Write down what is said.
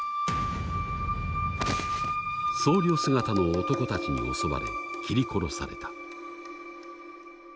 僧侶姿の男たちに襲われ斬り殺された。